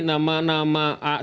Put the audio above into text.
nama nama seperti anies dan gita